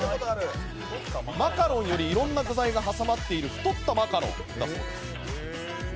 マカロンよりいろんな具材が挟まっている太ったマカロンだそうです。